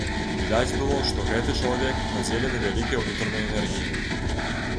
Відаць было, што гэты чалавек надзелены вялікай унутранай энергіяй.